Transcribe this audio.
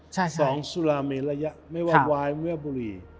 สองสุราเมลยะไม่ว่าวายไม่ว่าบุหรี่